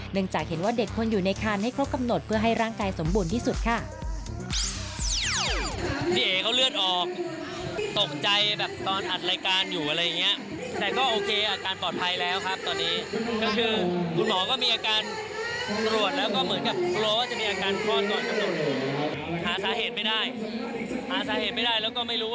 จากเห็นว่าเด็กควรอยู่ในคันให้ครบกำหนดเพื่อให้ร่างกายสมบูรณ์ที่สุดค่ะ